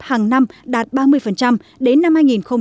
hàng năm đạt ba mươi đến năm hai nghìn hai mươi